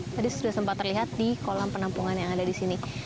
tadi sudah sempat terlihat di kolam penampungan yang ada di sini